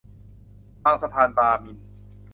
บางสะพานบาร์มิล